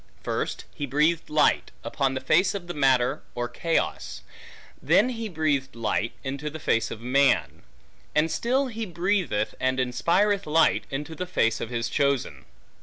First he breathed light, upon the face of the matter or chaos; then he breathed light, into the face of man; and still he breatheth and inspireth light, into the face of his chosen.